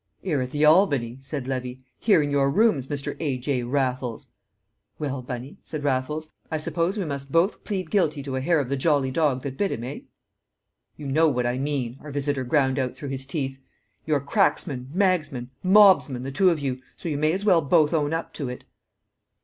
"'Ere at the Albany!" said Levy. "Here in your rooms, Mr. A.J. Raffles." "Well, Bunny," said Raffles, "I suppose we must both plead guilty to a hair of the jolly dog that bit him eh?" "You know what I mean," our visitor ground out through his teeth. "You're cracksmen, magsmen, mobsmen, the two of you; so you may as well both own up to it."